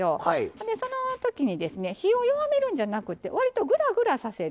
でそのときにですね火を弱めるんじゃなくて割とぐらぐらさせる。